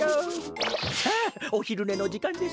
さあおひるねのじかんですね。